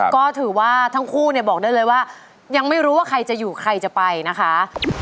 ก็ถือว่าทั้งคู่เนี่ยบอกได้เลยว่ายังไม่รู้ว่าใครจะอยู่ใครจะไปนะคะ